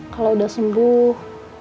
kalau udah sembuh